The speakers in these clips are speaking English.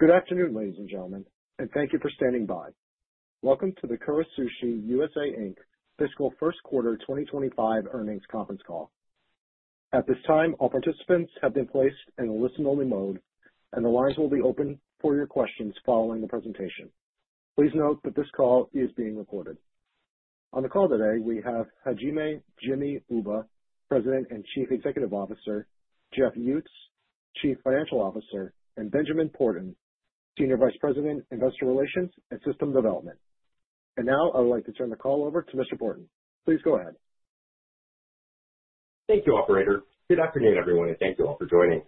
Good afternoon, ladies and gentlemen, and thank you for standing by. Welcome to the Kura Sushi USA, Inc. FY Q1 2025 Earnings Conference call. At this time, all participants have been placed in a listen-only mode, and the lines will be open for your questions following the presentation. Please note that this call is being recorded. On the call today, we have Hajime “Jimmy” Uba, President and Chief Executive Officer, Jeff Uttz, Chief Financial Officer, and Benjamin Porten, Senior Vice President, Investor Relations and System Development. And now, I would like to turn the call over to Mr. Porten. Please go ahead. Thank you, Operator. Good afternoon, everyone, and thank you all for joining.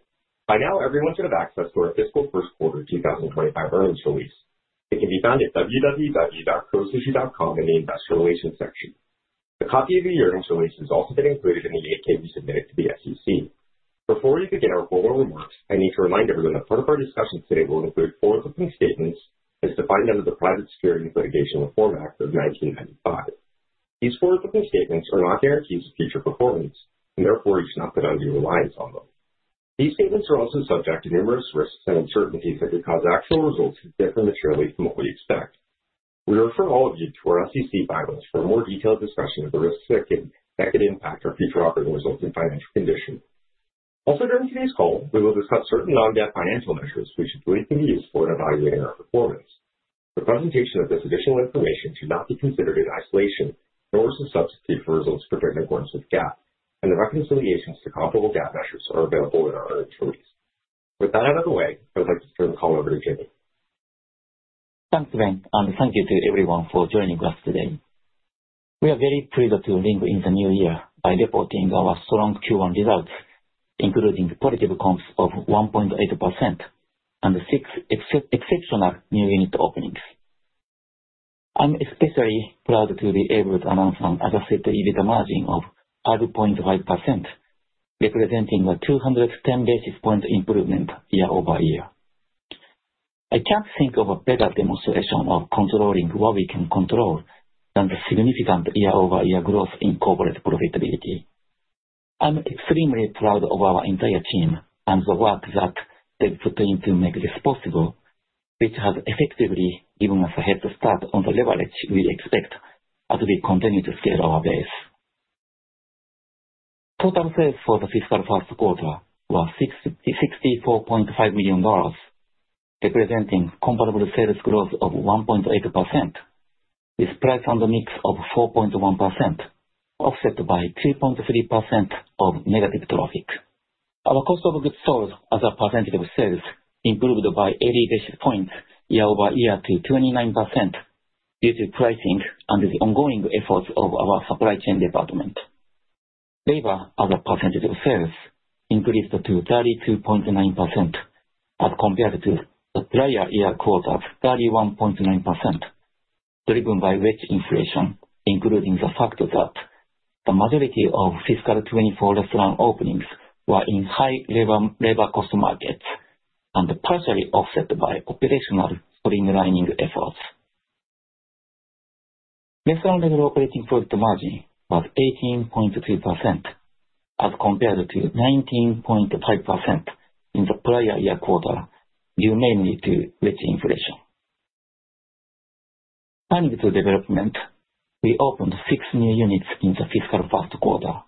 By now, everyone should have access to our Fiscal Q1 2025 earnings release. It can be found at www.kurasushi.com in the Investor Relations section. A copy of the earnings release has also been included in the 8-K submitted to the SEC. Before we begin our formal remarks, I need to remind everyone that part of our discussion today will include forward-looking statements as defined under the Private Securities Litigation Reform Act of 1995. These forward-looking statements are not guarantees of future performance, and therefore you should not put undue reliance on them. These statements are also subject to numerous risks and uncertainties that could cause actual results to differ materially from what we expect. We refer all of you to our SEC filings for a more detailed discussion of the risks that could impact our future operating results and financial condition. Also, during today's call, we will discuss certain non-GAAP financial measures which we believe can be used in evaluating our performance. The presentation of this additional information should not be considered in isolation, nor is it a substitute for results presented in accordance with GAAP, and the reconciliations to comparable GAAP measures are available in our earnings release. With that out of the way, I would like to turn the call over to Jimmy. Thanks, Ben. Thank you to everyone for joining us today. We are very pleased to ring in the new year by reporting our strong Q1 results, including positive comps of 1.8% and six exceptional new unit openings. I'm especially proud to be able to announce an Adjusted EBITDA margin of 5.5%, representing a 210 basis point improvement year over year. I can't think of a better demonstration of controlling what we can control than the significant year-over-year growth in corporate profitability. I'm extremely proud of our entire team and the work that they've put in to make this possible, which has effectively given us a head start on the leverage we expect as we continue to scale our base. Total sales for the fiscal Q1 was $64.5 million, representing comparable sales growth of 1.8%, with price and mix of 4.1%, offset by 3.3% of negative traffic. Our cost of goods sold as a percentage of sales improved by 80 basis points year over year to 29% due to pricing and the ongoing efforts of our supply chain department. Labor as a percentage of sales increased to 32.9% as compared to the prior year quarter of 31.9%, driven by wage inflation, including the fact that the majority of FY 2024 restaurant openings were in high labor cost markets and partially offset by operational streamlining efforts. Restaurant-led operating profit margin was 18.3% as compared to 19.5% in the prior year quarter, due mainly to wage inflation. Turning to development, we opened six new units in the fiscal Q1: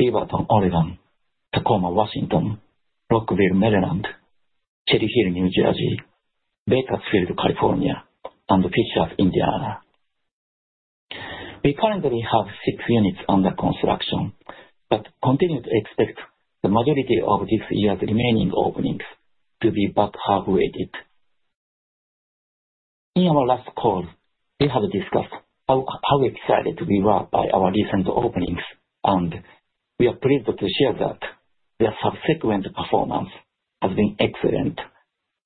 Beaverton, Oregon, Tacoma, Washington, Rockville, Maryland, Cherry Hill, New Jersey, Bakersfield, California, and Fishers, Indiana. We currently have six units under construction, but continue to expect the majority of this year's remaining openings to be back half-weighted. In our last call, we have discussed how excited we were by our recent openings, and we are pleased to share that their subsequent performance has been excellent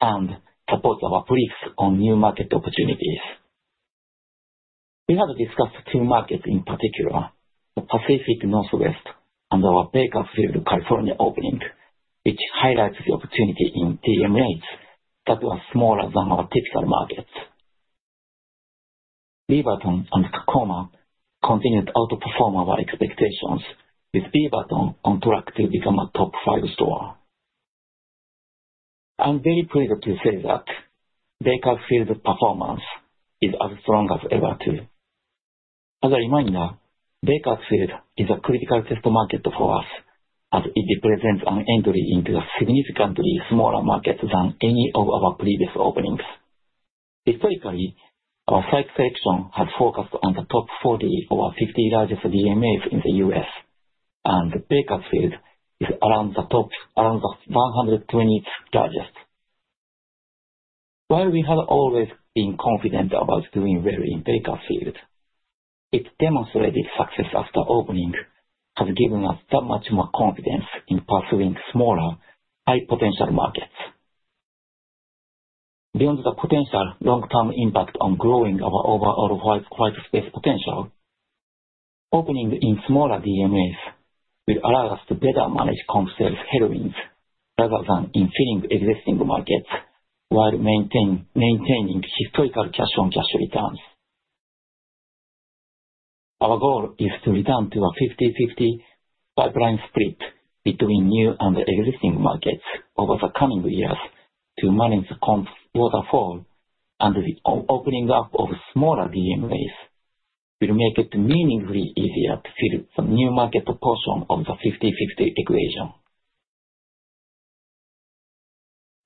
and supports our beliefs on new market opportunities. We have discussed two markets in particular, the Pacific Northwest and our Bakersfield, California opening, which highlights the opportunity in DMAs that were smaller than our typical markets. Beaverton and Tacoma continued to outperform our expectations, with Beaverton on track to become a top five store. I'm very pleased to say that Bakersfield's performance is as strong as ever too. As a reminder, Bakersfield is a critical test market for us as it represents an entry into a significantly smaller market than any of our previous openings. Historically, our site selection has focused on the top 40 of our 50 largest DMAs in the U.S., and Bakersfield is around the top 120 largest. While we have always been confident about doing well in Bakersfield, its demonstrated success after opening has given us that much more confidence in pursuing smaller, high-potential markets. Beyond the potential long-term impact on growing our overall white space potential, opening in smaller DMAs will allow us to better manage comp sales headwinds rather than infilling existing markets while maintaining historical cash-on-cash returns. Our goal is to return to a 50/50 pipeline split between new and existing markets over the coming years to manage the comp waterfall, and the opening up of smaller DMAs will make it meaningfully easier to fill the new market portion of the 50/50 equation.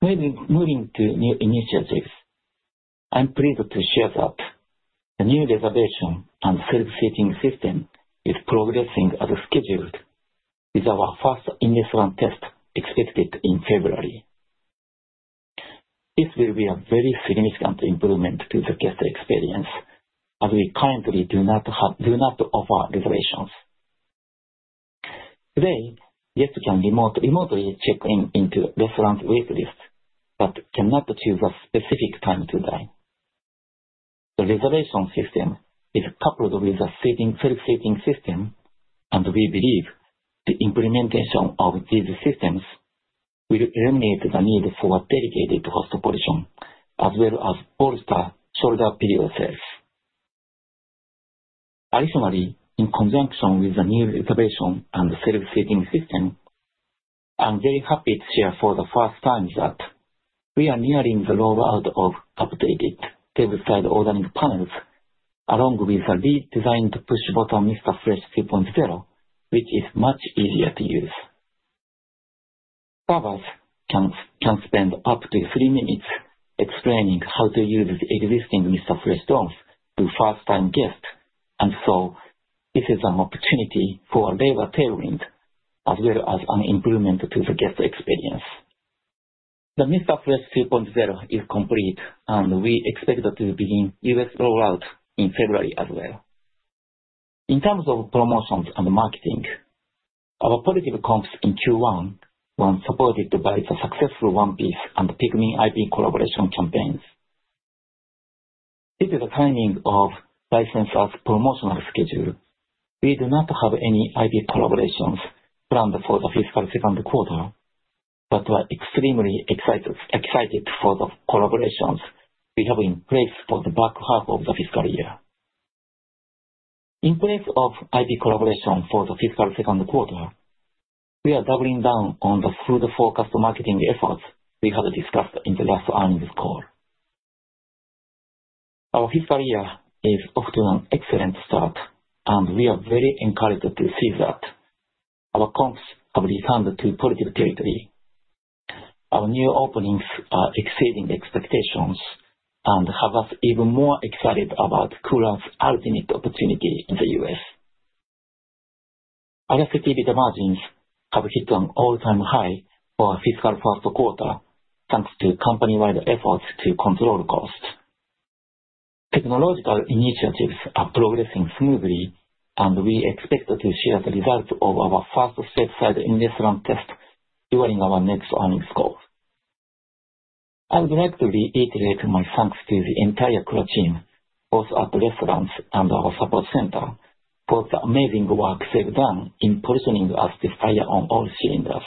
Moving to new initiatives, I'm pleased to share that the new reservation and self-seating system is progressing as scheduled, with our first in-distance test expected in February. This will be a very significant improvement to the guest experience as we currently do not offer reservations. Today, guests can remotely check into restaurant waitlists but cannot choose a specific time to dine. The reservation system is coupled with a self-seating system, and we believe the implementation of these systems will eliminate the need for a dedicated host position as well as bolster shoulder POS. Additionally, in conjunction with the new reservation and self-seating system, I'm very happy to share for the first time that we are nearing the rollout of updated tableside ordering panels along with a redesigned push-button Mr. Fresh 2.0, which is much easier to use. Stewards can spend up to three minutes explaining how to use the existing Mr. Fresh domes to first-time guests, and so this is an opportunity for labor savings as well as an improvement to the guest experience. The Mr. Fresh 2.0 is complete, and we expect to begin U.S. rollout in February as well. In terms of promotions and marketing, our positive comps in Q1 were supported by the successful One Piece and Pikmin IP collaboration campaigns. Due to the timing of licensing and promotional schedule, we do not have any IP collaborations planned for the fiscal Q2, but we are extremely excited for the collaborations we have in place for the back half of the fiscal year. In place of IP collaboration for the fiscal Q2, we are doubling down on the food-focused marketing efforts we have discussed in the last earnings call. Our FY is off to an excellent start, and we are very encouraged to see that our comps have returned to positive territory. Our new openings are exceeding expectations and have us even more excited about Kura's ultimate opportunity in the U.S. Our operating margins have hit an all-time high for our fiscal Q1 thanks to company-wide efforts to control costs. Technological initiatives are progressing smoothly, and we expect to share the results of our first side-by-side in-restaurant test during our next earnings call. I would like to reiterate my thanks to the entire Kura team, both at the restaurants and our support center, for the amazing work they've done in positioning us this year on all cylinders.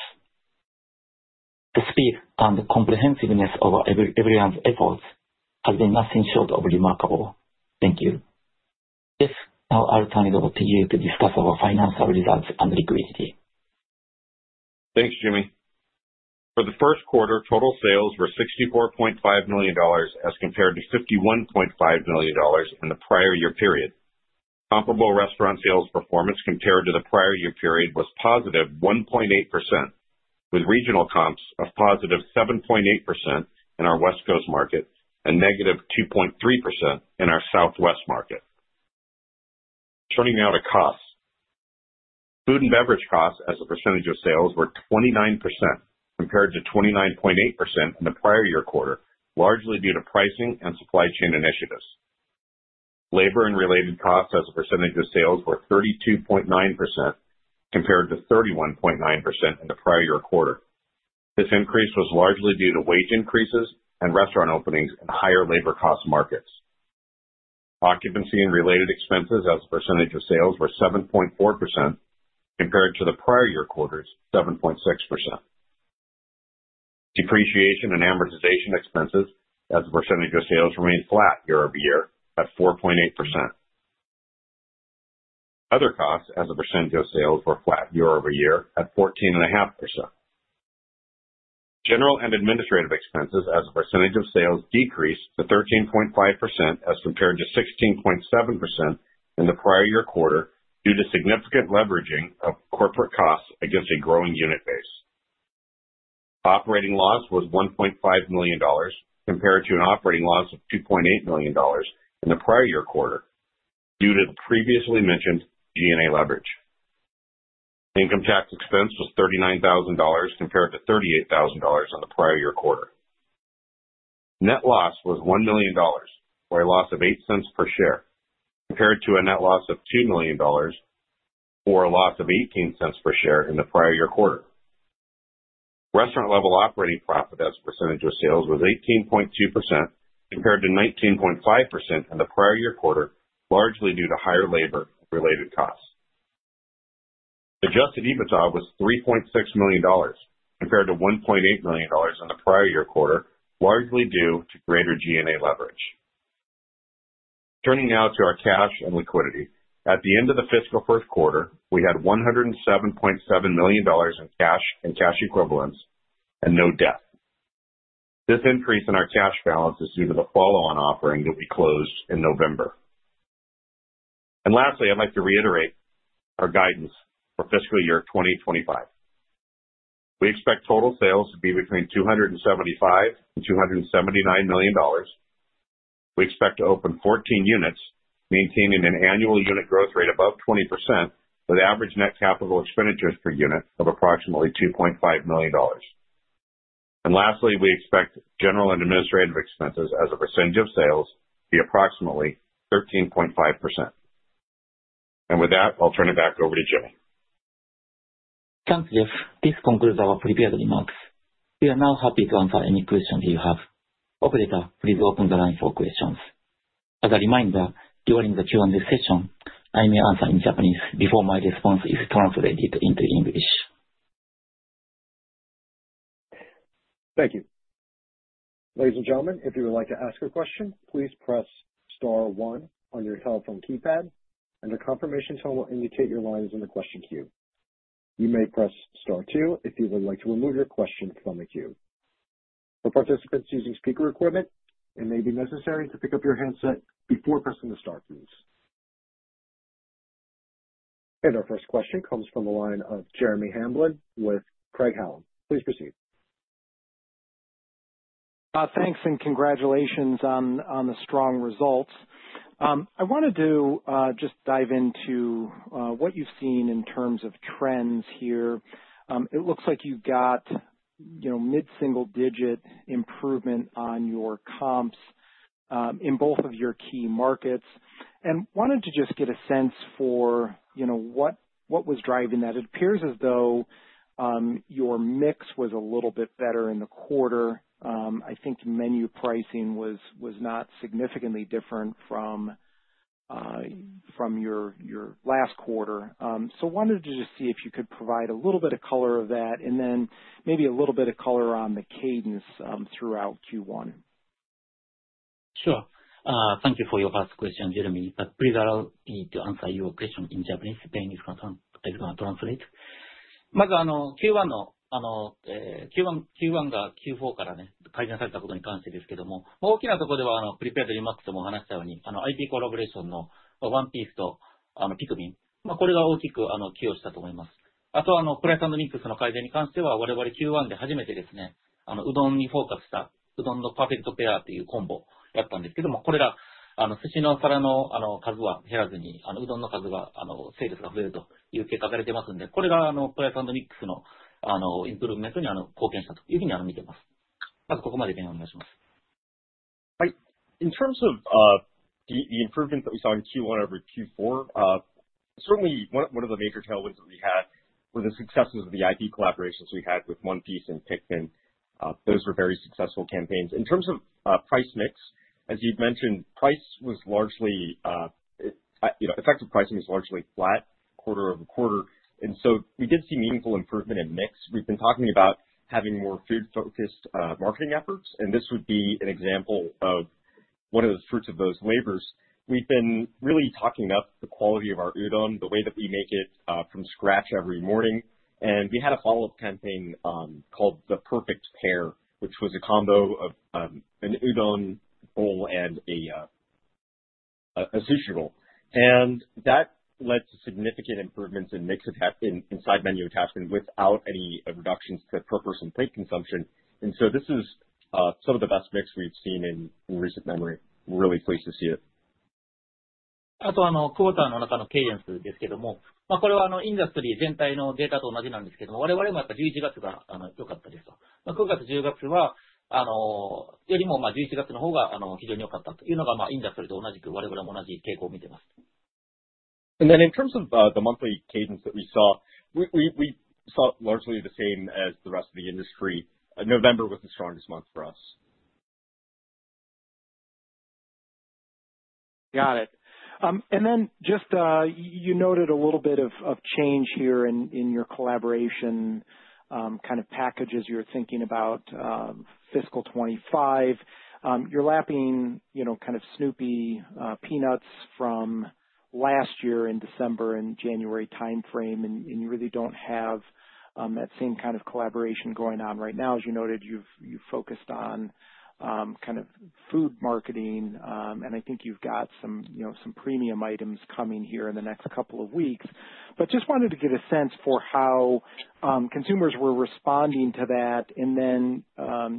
The speed and comprehensiveness of everyone's efforts have been nothing short of remarkable. Thank you. Yes, now I'll turn it over to you to discuss our financial results and liquidity. Thanks, Jimmy. For the Q1, total sales were $64.5 million as compared to $51.5 million in the prior year period. Comparable restaurant sales performance compared to the prior year period was positive 1.8%, with regional comps of positive 7.8% in our West Coast market and negative 2.3% in our Southwest market. Turning now to costs. Food and beverage costs as a percentage of sales were 29% compared to 29.8% in the prior year quarter, largely due to pricing and supply chain initiatives. Labor and related costs as a percentage of sales were 32.9% compared to 31.9% in the prior year quarter. This increase was largely due to wage increases and restaurant openings in higher labor cost markets. Occupancy and related expenses as a percentage of sales were 7.4% compared to the prior year quarter's 7.6%. Depreciation and amortization expenses as a percentage of sales remained flat year over year at 4.8%. Other costs as a percentage of sales were flat year over year at 14.5%. General and administrative expenses as a percentage of sales decreased to 13.5% as compared to 16.7% in the prior year quarter due to significant leveraging of corporate costs against a growing unit base. Operating loss was $1.5 million compared to an operating loss of $2.8 million in the prior year quarter due to the previously mentioned G&A leverage. Income tax expense was $39,000 compared to $38,000 in the prior year quarter. Net loss was $1 million for a loss of $0.08 per share compared to a net loss of $2 million for a loss of $0.18 per share in the prior year quarter. Restaurant-level operating profit as a percentage of sales was 18.2% compared to 19.5% in the prior year quarter, largely due to higher labor-related costs. Adjusted EBITDA was $3.6 million compared to $1.8 million in the prior year quarter, largely due to greater G&A leverage. Turning now to our cash and liquidity. At the end of the fiscal Q1, we had $107.7 million in cash and cash equivalents and no debt. This increase in our cash balance is due to the follow-on offering that we closed in November. And lastly, I'd like to reiterate our guidance for FY 2025. We expect total sales to be between $275 and $279 million. We expect to open 14 units, maintaining an annual unit growth rate above 20% with average net capital expenditures per unit of approximately $2.5 million. Lastly, we expect general and administrative expenses as a percentage of sales to be approximately 13.5%. With that, I'll turn it back over to Jimmy. Thank you. This concludes our prepared remarks. We are now happy to answer any questions you have. Operator, please open the line for questions. As a reminder, during the Q&A session, I may answer in Japanese before my response is translated into English. Thank you. Ladies and gentlemen, if you would like to ask a question, please press Star 1 on your telephone keypad, and the confirmation tone will indicate your lines in the question queue. You may press Star 2 if you would like to remove your question from the queue. For participants using speaker equipment, it may be necessary to pick up your handset before pressing the Star keys. Our first question comes from the line of Jeremy Hamblin with Craig-Hallum. Please proceed. Thanks and congratulations on the strong results. I wanted to just dive into what you've seen in terms of trends here. It looks like you've got mid-single-digit improvement on your comps in both of your key markets, and wanted to just get a sense for what was driving that. It appears as though your mix was a little bit better in the quarter. I think menu pricing was not significantly different from your last quarter, so wanted to just see if you could provide a little bit of color of that, and then maybe a little bit of color on the cadence throughout Q1. Sure. Thank you for your first question, Jeremy. But please, I'll need to answer your question in Japanese so that I can translate. In terms of the improvements that we saw in Q1 over Q4, certainly one of the major tailwinds that we had were the successes of the IP collaborations we had with One Piece and Pikmin. Those were very successful campaigns. In terms of price mix, as you've mentioned, pricing was largely flat quarter over quarter. And so we did see meaningful improvement in mix. We've been talking about having more food-focused marketing efforts, and this would be an example of one of the fruits of those labors. We've been really talking up the quality of our udon, the way that we make it from scratch every morning. And we had a follow-up campaign called The Perfect Pair, which was a combo of an udon bowl and a sushi bowl. And that led to significant improvements in mix inside menu attachment without any reductions to per-person plate consumption. And so this is some of the best mix we've seen in recent memory. We're really pleased to see it. あとはQuarterの中の cadenceですけども、これはインダストリー全体のデータと同じなんですけども、我々もやっぱり11月が良かったですと。9月、10月はよりも11月の方が非常に良かったというのがインダストリーと同じく我々も同じ傾向を見てます。And then in terms of the monthly cadence that we saw, we saw it largely the same as the rest of the industry. November was the strongest month for us. Got it. And then just you noted a little bit of change here in your collaboration kind of packages you're thinking about FY 2025. You're lapping kind of Snoopy Peanuts from last year in December and January timeframe, and you really don't have that same kind of collaboration going on right now. As you noted, you've focused on kind of food marketing, and I think you've got some premium items coming here in the next couple of weeks. But just wanted to get a sense for how consumers were responding to that. And then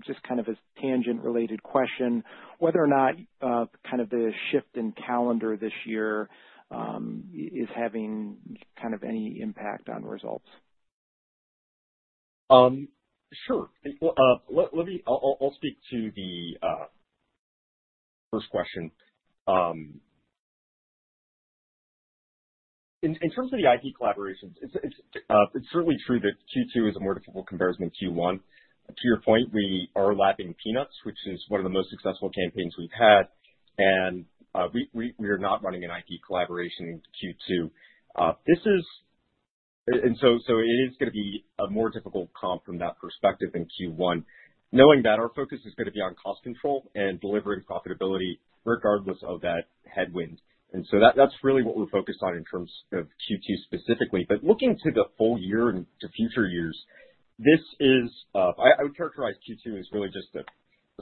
just kind of a tangent-related question, whether or not kind of the shift in calendar this year is having kind of any impact on results? Sure. I'll speak to the first question. In terms of the IP collaborations, it's certainly true that Q2 is a more difficult comparison than Q1. To your point, we are lapping Peanuts, which is one of the most successful campaigns we've had, and we are not running an IP collaboration in Q2. And so it is going to be a more difficult comp from that perspective than Q1, knowing that our focus is going to be on cost control and delivering profitability regardless of that headwind. And so that's really what we're focused on in terms of Q2 specifically. But looking to the full year and to future years, I would characterize Q2 as really just a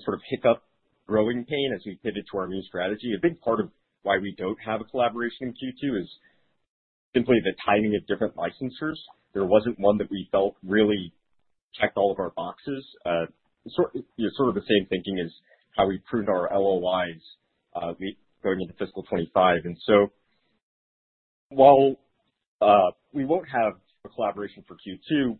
sort of hiccup growing pain as we pivot to our new strategy. A big part of why we don't have a collaboration in Q2 is simply the timing of different licensors. There wasn't one that we felt really checked all of our boxes. Sort of the same thinking as how we pruned our LOIs going into FY 2025. And so while we won't have a collaboration for Q2,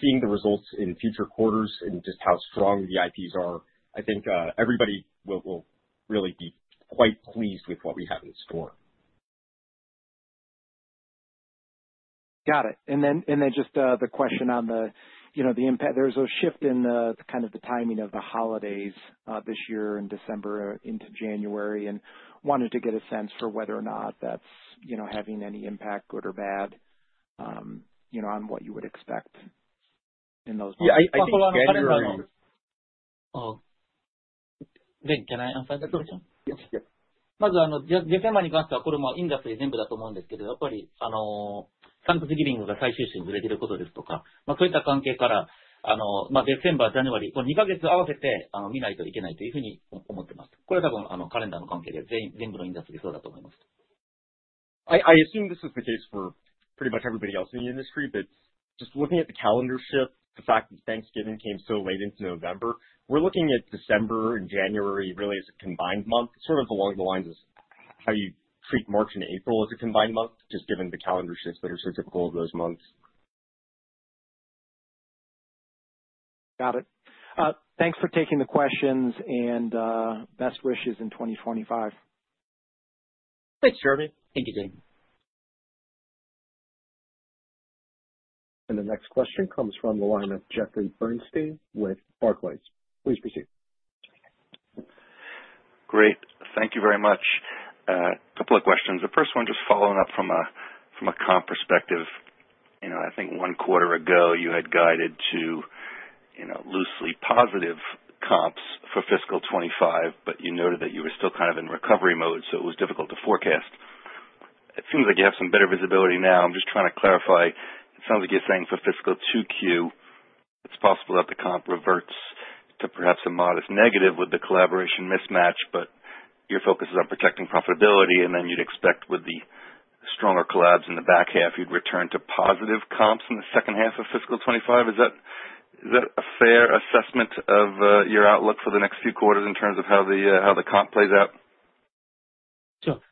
seeing the results in future quarters and just how strong the IPs are, I think everybody will really be quite pleased with what we have in store. Got it. And then just the question on the impact. There was a shift in kind of the timing of the holidays this year in December into January, and wanted to get a sense for whether or not that's having any impact, good or bad, on what you would expect in those months? Yeah. I think. Can I answer that question? Yes. Yes. まず、ジェフ・ハンマーに関しては、これはインダストリー全部だと思うんですけど、やっぱりサンクスギビングが最終週にずれてることですとか、そういった関係からデッセンバー、ジャニュアリー、この2ヶ月合わせて見ないといけないというふうに思ってます。これは多分カレンダーの関係で全部のインダストリーそうだと思います。I assume this is the case for pretty much everybody else in the industry, but just looking at the calendar shift, the fact that Thanksgiving came so late into November, we're looking at December and January really as a combined month, sort of along the lines of how you treat March and April as a combined month, just given the calendar shifts that are so typical of those months. Got it. Thanks for taking the questions, and best wishes in 2025. Thanks, Jeremy. Thank you, Jimmy. The next question comes from the line of Jeffrey Bernstein with Barclays. Please proceed. Great. Thank you very much. A couple of questions. The first one, just following up from a comp perspective, I think one quarter ago you had guided to loosely positive comps for FY 2025, but you noted that you were still kind of in recovery mode, so it was difficult to forecast. It seems like you have some better visibility now. I'm just trying to clarify. It sounds like you're saying for fiscal Q2, it's possible that the comp reverts to perhaps a modest negative with the collaboration mismatch, but your focus is on protecting profitability, and then you'd expect with the stronger collabs in the back half, you'd return to positive comps in the H2 of FY 2025. Is that a fair assessment of your outlook for the next few quarters in terms of how the comp plays out?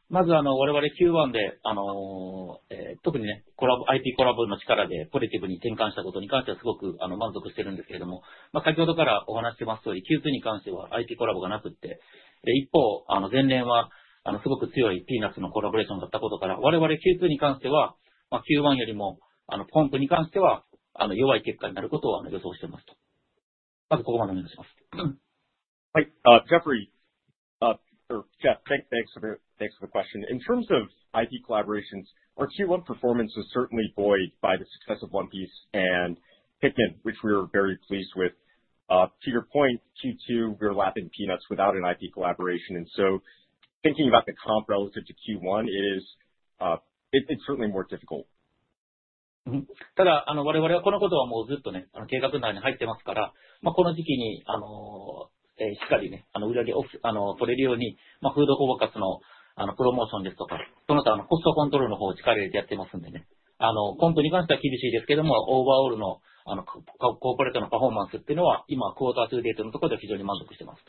まず、我々Q1で特にIPコラボの力でポジティブに転換したことに関してはすごく満足してるんですけども、先ほどからお話してます通り、Q2に関してはIPコラボがなくって、一方、前年はすごく強いピーナッツのコラボレーションがあったことから、我々Q2に関してはQ1よりもポンプに関しては弱い結果になることを予想してますと。まずここまでお願いします。Jeffrey, thanks for the question. In terms of IP collaborations, our Q1 performance was certainly buoyed by the success of One Piece and Pikmin, which we were very pleased with. To your point, Q2, we were lapping Peanuts without an IP collaboration, and so thinking about the comp relative to Q1, it's certainly more difficult. ただ、我々はこのことはもうずっと計画内に入ってますから、この時期にしっかり売上を取れるようにフードフォーカスのプロモーションですとか、その他コストコントロールの方をしっかりやってますんでね。ポンプに関しては厳しいですけども、オーバーオールのコーポレートのパフォーマンスっていうのは今、Quarter 2データのところで非常に満足してます。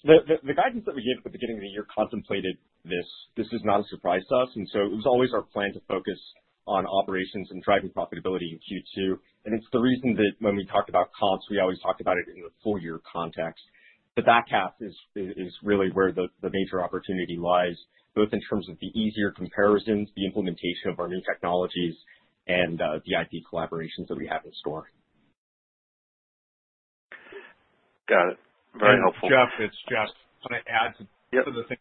The guidance that we gave at the beginning of the year contemplated this. This is not a surprise to us. And so it was always our plan to focus on operations and driving profitability in Q2. And it's the reason that when we talked about comps, we always talked about it in the full-year context. The back half is really where the major opportunity lies, both in terms of the easier comparisons, the implementation of our new technologies, and the IP collaborations that we have in store. Got it. Very helpful. Jeff, can I add to the thing?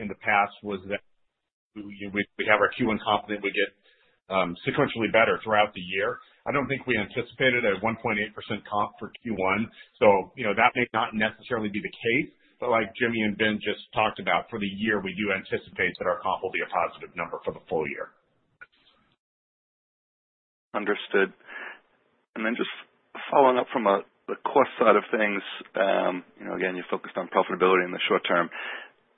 In the past was that we have our Q1 comp that we get sequentially better throughout the year. I don't think we anticipated a 1.8% comp for Q1, so that may not necessarily be the case. But like Jimmy and Ben just talked about, for the year, we do anticipate that our comp will be a positive number for the full year. Understood, and then just following up from the cost side of things, again, you focused on profitability in the short term,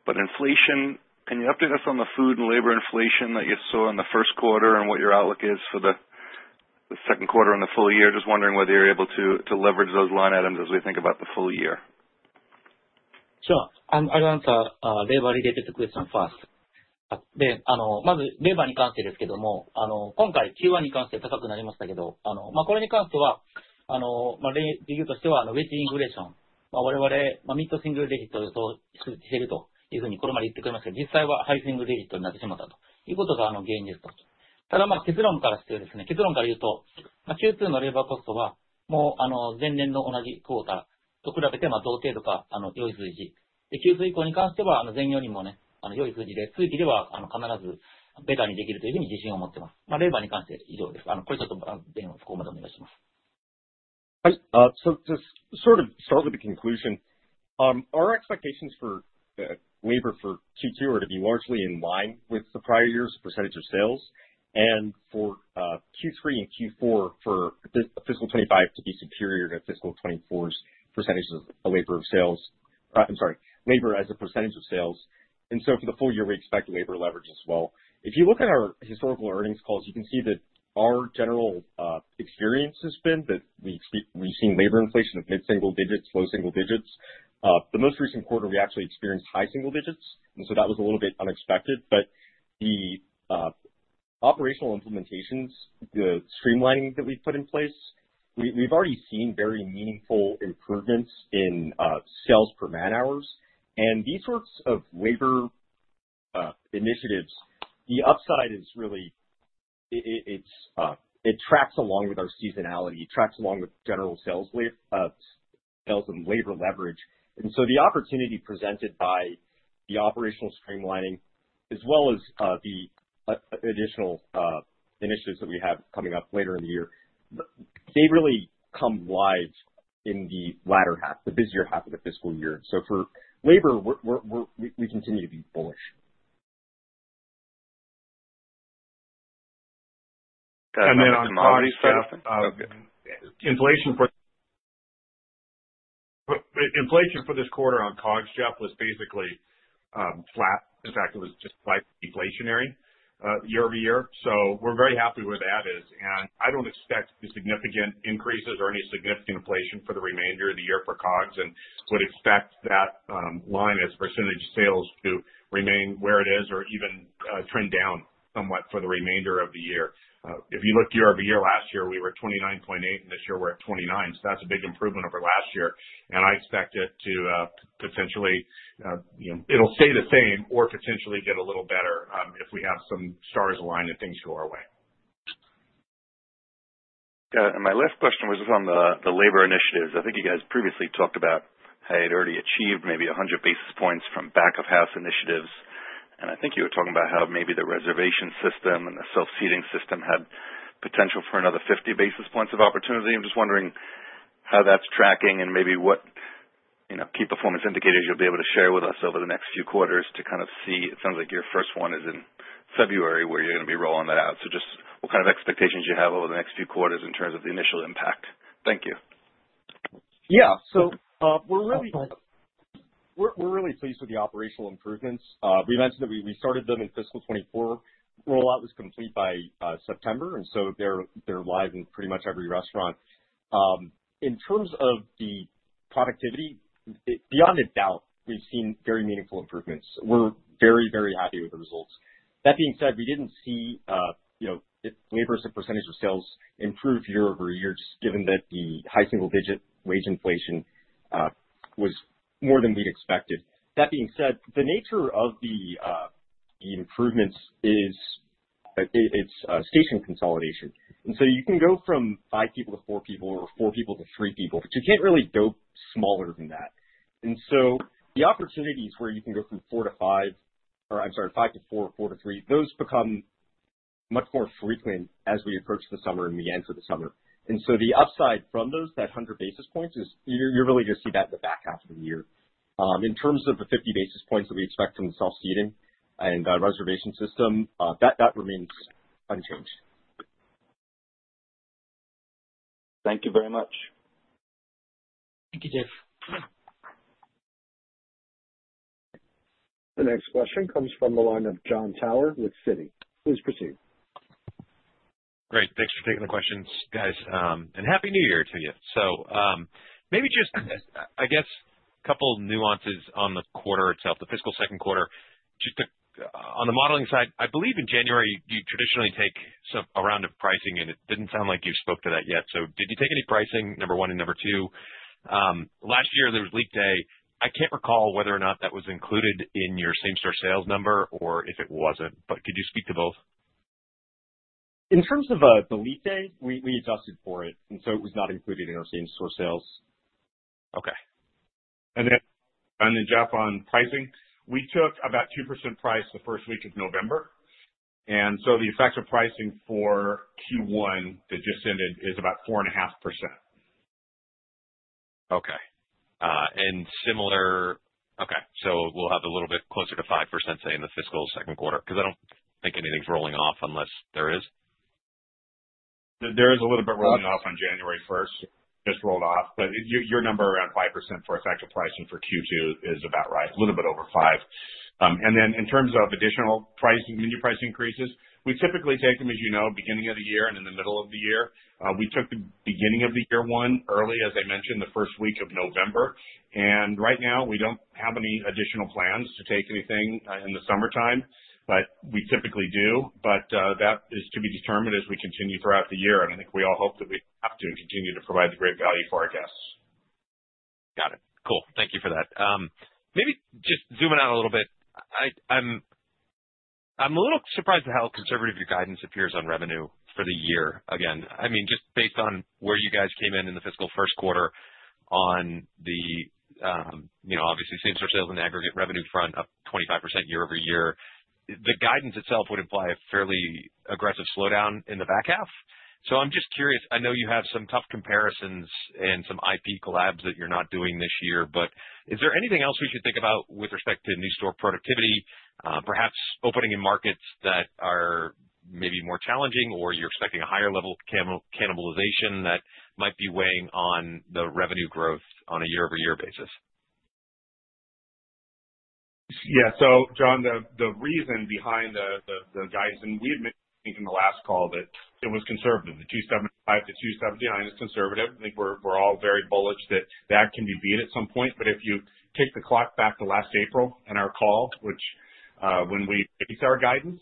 but inflation, can you update us on the food and labor inflation that you saw in the Q1 and what your outlook is for the Q2 and the full year? Just wondering whether you're able to leverage those line items as we think about the full year. Sure. I'll answer labor-related question first. まず、レバーに関してですけども、今回Q1に関して高くなりましたけど、これに関しては理由としてはウェッジインフレーション、我々ミッドシングルデジットを予想しているというふうにこれまで言ってきましたが、実際はハイシングルデジットになってしまったということが原因ですと。ただ、結論からしてですね、結論から言うと、Q2のレバーコストはもう前年の同じクォーターと比べて同程度か良い数字、Q3以降に関しては前よりも良い数字で、通期では必ずベターにできるというふうに自信を持ってます。レバーに関しては以上です。これちょっとここまでお願いします。Sort of to start with the conclusion, our expectations for labor for Q2 are to be largely in line with the prior year's percentage of sales, and for Q3 and Q4 for FY 2025 to be superior to FY 2024's percentage of labor as a percentage of sales. And so for the full year, we expect labor leverage as well. If you look at our historical earnings calls, you can see that our general experience has been that we've seen labor inflation of mid-single digits, low single digits. The most recent quarter, we actually experienced high single digits, and so that was a little bit unexpected. But the operational implementations, the streamlining that we've put in place, we've already seen very meaningful improvements in sales per man-hours. And these sorts of labor initiatives, the upside is really it tracks along with our seasonality, tracks along with general sales and labor leverage. And so the opportunity presented by the operational streamlining, as well as the additional initiatives that we have coming up later in the year, they really come live in the latter half, the busier half of the FY. So for labor, we continue to be bullish. And then on COGS GAAP. Okay. Inflation for this quarter on COGS GAAP was basically flat. In fact, it was just slightly deflationary year over year. So we're very happy where that is. And I don't expect significant increases or any significant inflation for the remainder of the year for COGS and would expect that line as percentage sales to remain where it is or even trend down somewhat for the remainder of the year. If you look year over year, last year we were at 29.8%, and this year we're at 29%. So that's a big improvement over last year. And I expect it to potentially it'll stay the same or potentially get a little better if we have some stars align and things go our way. Got it. And my last question was on the labor initiatives. I think you guys previously talked about how you'd already achieved maybe 100 basis points from back-of-house initiatives. And I think you were talking about how maybe the reservation system and the self-seating system had potential for another 50 basis points of opportunity. I'm just wondering how that's tracking and maybe what key performance indicators you'll be able to share with us over the next few quarters to kind of see. It sounds like your first one is in February where you're going to be rolling that out. So just what kind of expectations you have over the next few quarters in terms of the initial impact? Thank you. So we're really pleased with the operational improvements. We mentioned that we started them in FY 2024. Rollout was complete by September, and so they're live in pretty much every restaurant. In terms of the productivity, beyond a doubt, we've seen very meaningful improvements. We're very, very happy with the results. That being said, we didn't see labor as a percentage of sales improve year over year, just given that the high single-digit wage inflation was more than we'd expected. That being said, the nature of the improvements, it's station consolidation. And so you can go from five people to four people or four people to three people, but you can't really go smaller than that. And so the opportunities where you can go from four to five or, I'm sorry, five to four, four to three, those become much more frequent as we approach the summer and we enter the summer. And so the upside from those, that 100 basis points, is you're really going to see that in the back half of the year. In terms of the 50 basis points that we expect from the self-seating and reservation system, that remains unchanged. Thank you very much. Thank you, Jeff. The next question comes from the line of John Tower with Citi. Please proceed. Great. Thanks for taking the questions, guys. And happy New Year to you. So maybe just, I guess, a couple of nuances on the quarter itself, the fiscal Q2. On the modeling side, I believe in January, you traditionally take a round of pricing, and it didn't sound like you spoke to that yet. So did you take any pricing, number one and number two? Last year, there was leap day. I can't recall whether or not that was included in your same-store sales number or if it wasn't, but could you speak to both? In terms of the leap day, we adjusted for it, and so it was not included in our same-store sales. Okay. And then, Jeff, on pricing, we took about 2% price the first week of November. And so the effect of pricing for Q1 that just ended is about 4.5%. Okay. And similar, okay. So we'll have a little bit closer to 5%, say, in the fiscal Q2? Because I don't think anything's rolling off unless there is. There is a little bit rolling off on January 1st, just rolled off. But your number around 5% for effective pricing for Q2 is about right, a little bit over 5%. And then in terms of additional pricing, menu price increases, we typically take them, as you know, beginning of the year and in the middle of the year. We took the beginning of the year one early, as I mentioned, the first week of November. And right now, we don't have any additional plans to take anything in the summertime, but we typically do. But that is to be determined as we continue throughout the year. And I think we all hope that we have to continue to provide the great value for our guests. Got it. Cool. Thank you for that. Maybe just zooming out a little bit, I'm a little surprised at how conservative your guidance appears on revenue for the year. Again, I mean, just based on where you guys came in in the fiscal Q1 on the, obviously, same-store sales and aggregate revenue front, up 25% year over year, the guidance itself would imply a fairly aggressive slowdown in the back half. So I'm just curious. I know you have some tough comparisons and some IP collabs that you're not doing this year, but is there anything else we should think about with respect to new store productivity, perhaps opening in markets that are maybe more challenging, or you're expecting a higher level of cannibalization that might be weighing on the revenue growth on a year-over-year basis? So, John, the reason behind the guidance, and we had mentioned in the last call that it was conservative. The 275-279 is conservative. I think we're all very bullish that that can be beat at some point. But if you take the clock back to last April in our call, which when we based our guidance,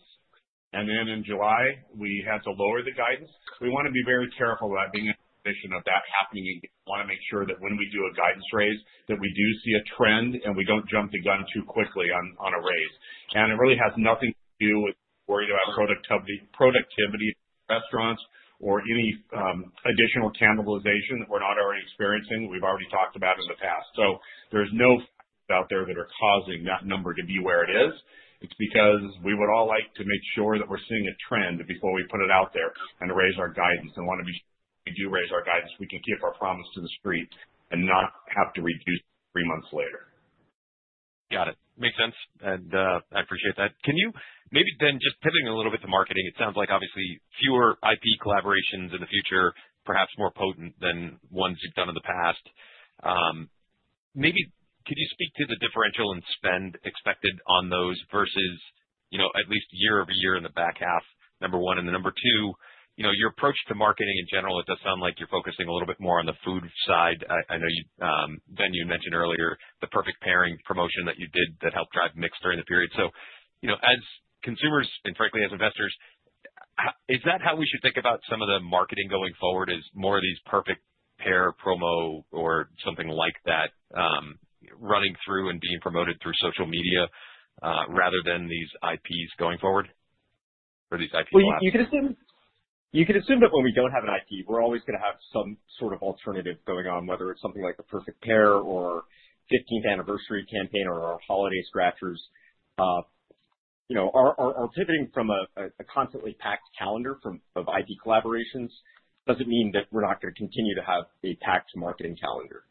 and then in July, we had to lower the guidance, we want to be very careful about being in a position of that happening. We want to make sure that when we do a guidance raise, that we do see a trend and we don't jump the gun too quickly on a raise. And it really has nothing to do with worrying about productivity of restaurants or any additional cannibalization that we're not already experiencing. We've already talked about in the past. So there's no factors out there that are causing that number to be where it is. It's because we would all like to make sure that we're seeing a trend before we put it out there and raise our guidance. And we want to be sure we do raise our guidance, we can keep our promise to the street and not have to reduce three months later. Got it. Makes sense, and I appreciate that. Can you maybe then just pivoting a little bit to marketing? It sounds like, obviously, fewer IP collaborations in the future, perhaps more potent than ones you've done in the past. Maybe could you speak to the differential in spend expected on those versus at least year over year in the back half, number one? And then number two, your approach to marketing in general. It does sound like you're focusing a little bit more on the food side. I know you then mentioned earlier the Perfect Pair promotion that you did that helped drive mix during the period. So as consumers and frankly, as investors, is that how we should think about some of the marketing going forward is more of these The Perfect Pair promo or something like that running through and being promoted through social media rather than these IPs going forward or these IP collabs? You can assume that when we don't have an IP, we're always going to have some sort of alternative going on, whether it's something like a perfect pair or 15th anniversary campaign or our holiday scratchers. Our pivoting from a constantly packed calendar of IP collaborations doesn't mean that we're not going to continue to have a packed marketing calendar.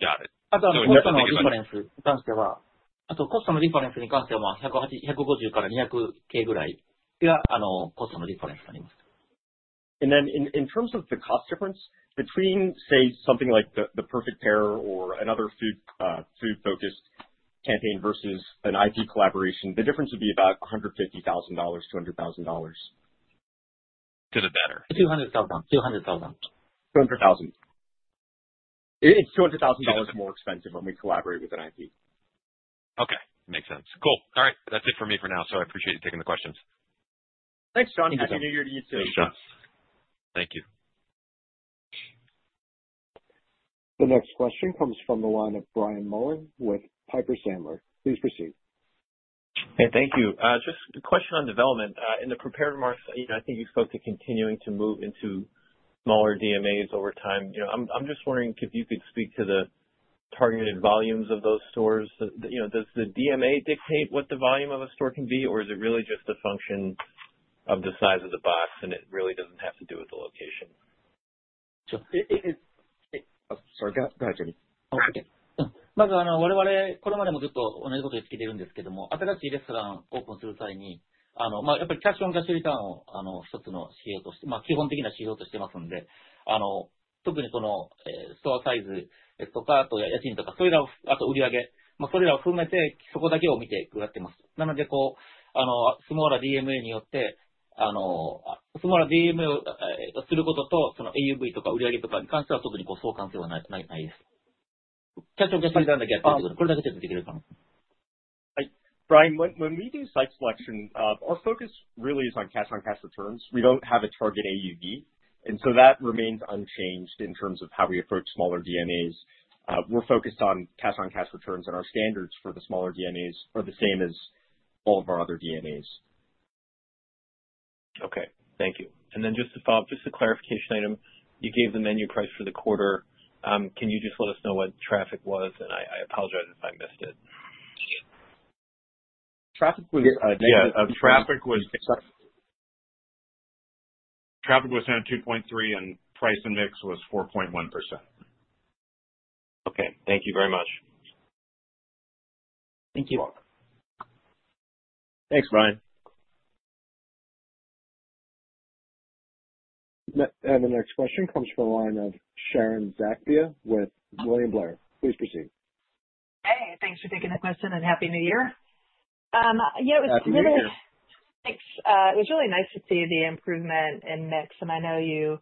Got it. あとはコストのディファレンスに関しては、150から200Kぐらいがコストのディファレンスになります。And then in terms of the cost difference between, say, something like The Perfect Pair or another food-focused campaign versus an IP collaboration, the difference would be about $150,000-$200,000. To the better. $200,000. $200,000. $200,000. It's $200,000 more expensive when we collaborate with an IP. Okay. Makes sense. Cool. All right. That's it for me for now. So I appreciate you taking the questions. Thanks, John. Happy New Year to you too. Thanks, John. Thank you. The next question comes from the line of Brian Mullan with Piper Sandler. Please proceed. Hey, thank you. Just a question on development. In the prepared remarks, I think you spoke to continuing to move into smaller DMAs over time. I'm just wondering if you could speak to the targeted volumes of those stores. Does the DMA dictate what the volume of a store can be, or is it really just a function of the size of the box and it really doesn't have to do with the location? Sorry. Go ahead, Jimmy. まず我々、これまでもずっと同じことを言い続けているんですけども、新しいレストランオープンする際に、やっぱりキャッシュオンキャッシュリターンを一つの指標として、基本的な指標としていますので、特にこのストアサイズとか、あと家賃とか、それらを、あと売上、それらを含めてそこだけを見てやってます。なので、スモーラDMAによって、スモーラDMAをすることと、そのAUVとか売上とかに関しては特に相関性はないです。キャッシュオンキャッシュリターンだけやってるってこと、これだけちょっとできるかな。Hi, Brian. When we do site selection, our focus really is on cash-on-cash returns. We don't have a target AUV, and so that remains unchanged in terms of how we approach smaller DMAs. We're focused on cash-on-cash returns, and our standards for the smaller DMAs are the same as all of our other DMAs. Okay. Thank you. And then just to follow up, just a clarification item. You gave the menu price for the quarter. Can you just let us know what traffic was? And I apologize if I missed it. Traffic was. Traffic was. Sorry. Traffic was around 2.3, and price and mix was 4.1%. Okay. Thank you very much. Thank you. Thanks, Brian. The next question comes from the line of Sharon Zackfia with William Blair. Please proceed. Hey. Thanks for taking the question and Happy New Year. It was really nice to see the improvement in mix, and I know you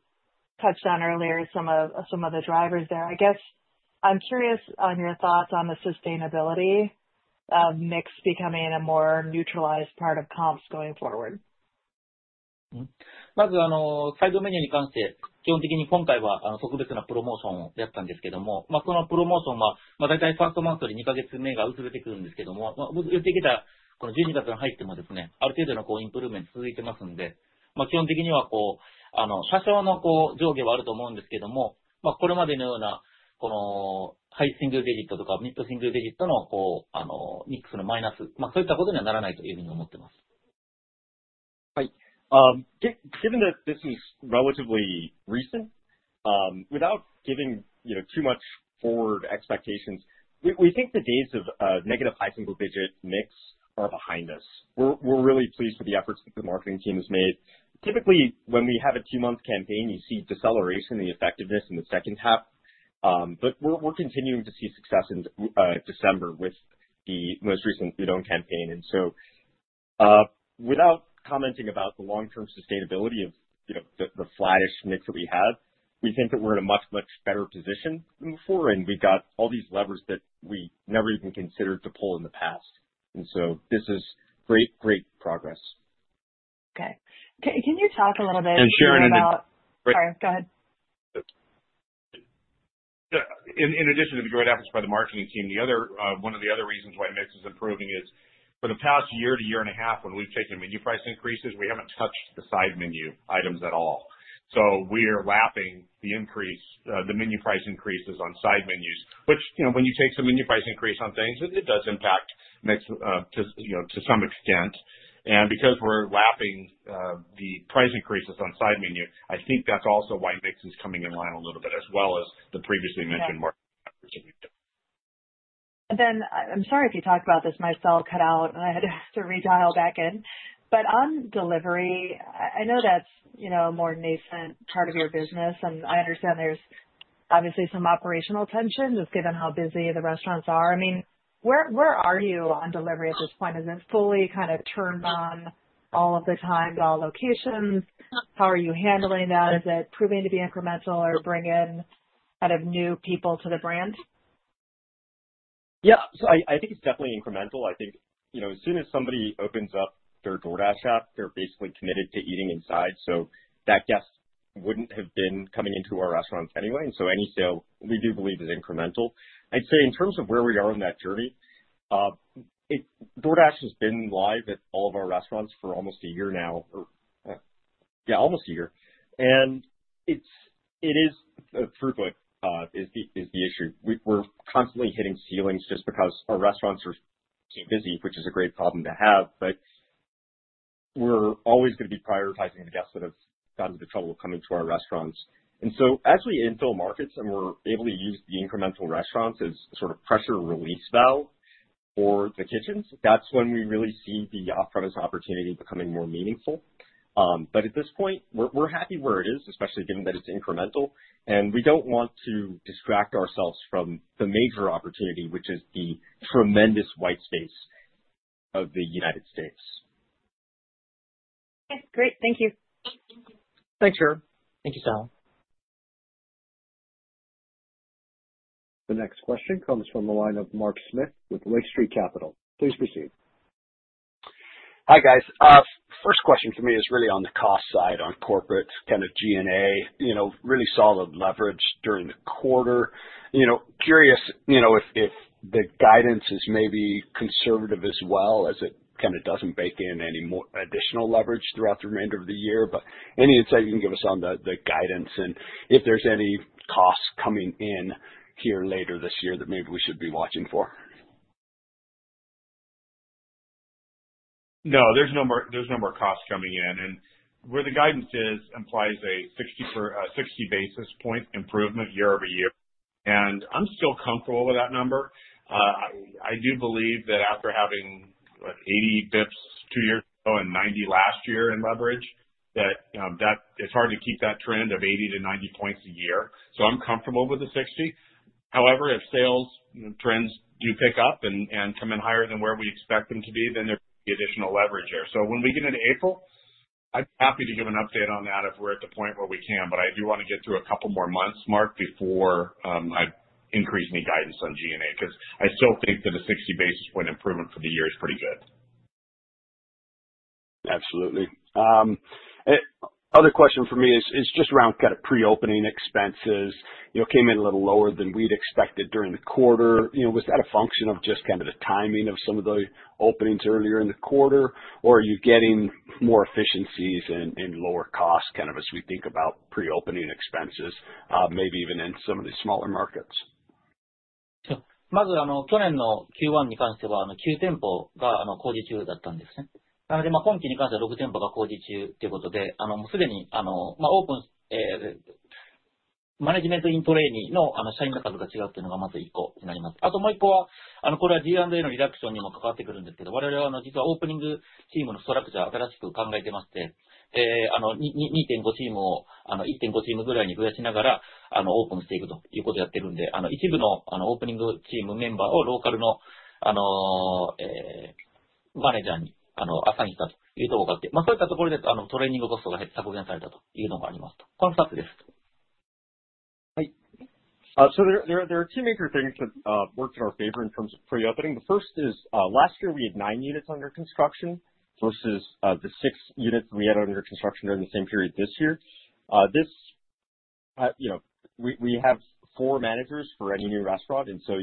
touched on earlier some of the drivers there. I guess I'm curious on your thoughts on the sustainability of mix becoming a more neutralized part of comps going forward. まずサイドメニューに関して、基本的に今回は特別なプロモーションをやったんですけども、そのプロモーションは大体ファーストマンスより2ヶ月目が薄れてくるんですけども、薄れてきたこの12月に入っても、ある程度のインプルーvment続いてますんで、基本的には多少の上下はあると思うんですけども、これまでのようなハイシングルデジットとかミッドシングルデジットのミックスのマイナス、そういったことにはならないというふうに思ってます。Hi. Given that this is relatively recent, without giving too much forward expectations, we think the days of negative high single digit mix are behind us. We're really pleased with the efforts that the marketing team has made. Typically, when we have a two-month campaign, you see deceleration in the effectiveness in the H2. But we're continuing to see success in December with the most recent Bikkura Pon campaign. And so without commenting about the long-term sustainability of the flattish mix that we have, we think that we're in a much, much better position than before. And we've got all these levers that we never even considered to pull in the past. And so this is great, great progress. Okay. Can you talk a little bit about? Sharon. Sorry. Go ahead. In addition to the great efforts by the marketing team, one of the other reasons why mix is improving is for the past year to year and a half, when we've taken menu price increases, we haven't touched the side menu items at all. So we are lapping the increase, the menu price increases on side menus, which when you take some menu price increase on things, it does impact mix to some extent. And because we're lapping the price increases on side menu, I think that's also why mix is coming in line a little bit as well as the previously mentioned marketing efforts that we've done. I'm sorry if you talked about this. My cell cut out, and I had to redial back in. But on delivery, I know that's a more nascent part of your business, and I understand there's obviously some operational tension just given how busy the restaurants are. I mean, where are you on delivery at this point? Is it fully kind of turned on all of the time at all locations? How are you handling that? Is it proving to be incremental or bringing in kind of new people to the brand? So I think it's definitely incremental. I think as soon as somebody opens up their DoorDash app, they're basically committed to eating inside. So that guest wouldn't have been coming into our restaurants anyway. And so any sale we do believe is incremental. I'd say in terms of where we are on that journey, DoorDash has been live at all of our restaurants for almost a year now. Almost a year. And its throughput is the issue. We're constantly hitting ceilings just because our restaurants are so busy, which is a great problem to have. But we're always going to be prioritizing the guests that have gotten in the door coming to our restaurants. And so as we infill markets and we're able to use the incremental restaurants as sort of pressure release valve for the kitchens, that's when we really see the off-premise opportunity becoming more meaningful. But at this point, we're happy where it is, especially given that it's incremental. And we don't want to distract ourselves from the major opportunity, which is the tremendous white space of the United States. Okay. Great. Thank you. Thanks, Sharon. Thank you, John. The next question comes from the line of Mark Smith with Lake Street Capital Markets. Please proceed. Hi, guys. First question for me is really on the cost side on corporate kind of G&A, really solid leverage during the quarter. Curious if the guidance is maybe conservative as well as it kind of doesn't bake in any additional leverage throughout the remainder of the year. But any insight you can give us on the guidance and if there's any costs coming in here later this year that maybe we should be watching for. No, there's no more costs coming in. And where the guidance is implies a 60 basis point improvement year over year. And I'm still comfortable with that number. I do believe that after having 80 basis points two years ago and 90 last year in leverage, that it's hard to keep that trend of 80 to 90 points a year. So I'm comfortable with the 60. However, if sales trends do pick up and come in higher than where we expect them to be, then there could be additional leverage there. So when we get into April, I'd be happy to give an update on that if we're at the point where we can. But I do want to get through a couple more months, Mark, before I increase any guidance on G&A because I still think that a 60 basis point improvement for the year is pretty good. Absolutely. Other question for me is just around kind of pre-opening expenses. Came in a little lower than we'd expected during the quarter. Was that a function of just kind of the timing of some of the openings earlier in the quarter, or are you getting more efficiencies and lower costs kind of as we think about pre-opening expenses, maybe even in some of the smaller markets? Hi. There are two major things that worked in our favor in terms of pre-opening. The first is last year we had 9 units under construction versus the 6 units we had under construction during the same period this year. We have 4 managers for any new restaurant, and so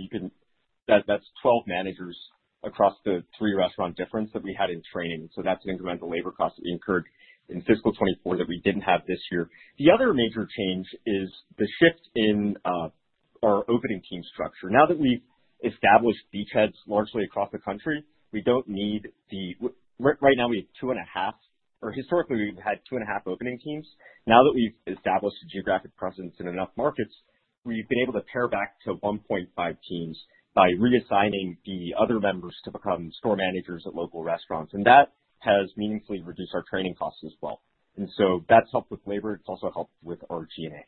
that's 12 managers across the 3 restaurant difference that we had in training. So that's an incremental labor cost that we incurred in FY 2024 that we didn't have this year. The other major change is the shift in our opening team structure. Now that we've established beachheads largely across the country, we don't need the right now we have 2 and a half, or historically we've had 2 and a half opening teams. Now that we've established a geographic presence in enough markets, we've been able to pare back to 1.5 teams by reassigning the other members to become store managers at local restaurants. And that has meaningfully reduced our training costs as well. And so that's helped with labor. It's also helped with our G&A.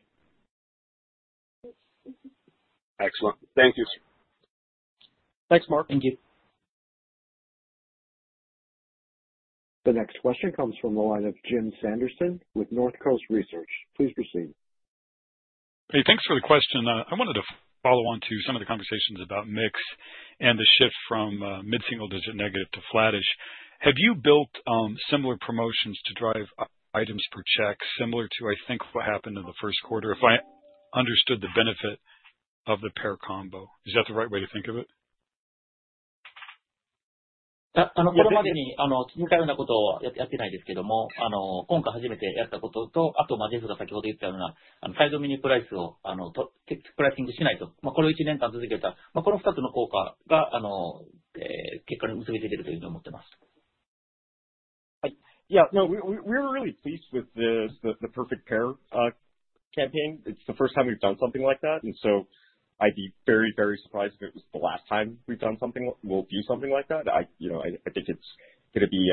Excellent. Thank you. Thanks, Mark. Thank you. The next question comes from the line of Jim Sanderson with North Coast Research. Please proceed. Hey, thanks for the question. I wanted to follow on to some of the conversations about mix and the shift from mid-single digit negative to flattish. Have you built similar promotions to drive items per check similar to, I think, what happened in the Q1 if I understood the benefit of the pair combo? Is that the right way to think of it? What about me, 今回のことをやってないですけども、今回初めてやったことと、あとJeffが先ほど言ったようなサイドメニュープライスをプライシングしないと、これを1年間続けたら、この2つの効果が結果に結びついてるというふうに思ってます。We were really pleased with the Perfect Pair campaign. It's the first time we've done something like that. And so I'd be very, very surprised if it was the last time we've done something like that. We'll do something like that. I think it's going to be